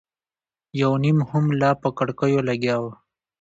یو نيم هم لا په کړکيو لګیا و.